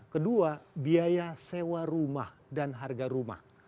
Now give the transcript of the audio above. kedua biaya sewa rumah dan harga rumah